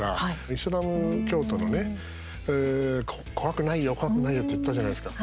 イスラム教徒のね「怖くないよ、怖くないよ」って言ってたじゃないですか。